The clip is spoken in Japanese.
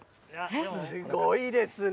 すごいですね。